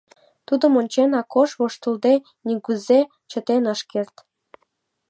Тудым ончен, Акош воштылде нигузе чытен ыш керт.